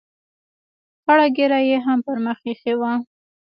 خړه ږیره یې هم پر مخ اېښې وه.